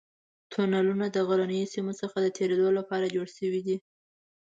تونلونه د غرنیو سیمو څخه د تېرېدو لپاره جوړ شوي دي.